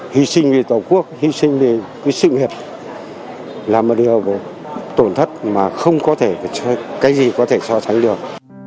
hy sinh vì tổ quốc hy sinh thì cái sự nghiệp là một điều tổn thất mà không có thể cái gì có thể so sánh được